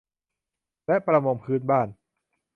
และประมงพื้นบ้าน